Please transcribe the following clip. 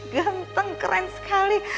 ganteng keren sekali